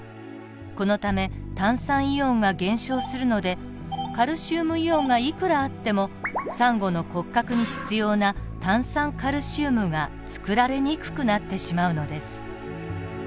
このため炭酸イオンが減少するのでカルシウムイオンがいくらあってもサンゴの骨格に必要な炭酸カルシウムがつくられにくくなってしまうのです。